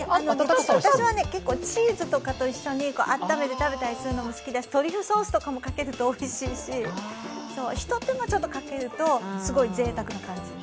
私は結構チーズとかと一緒に温めて食べるのも好きだし、トリュフソースをかけるのもおいしいしひと手間ちょっとかけるとすごいぜいたくな感じ。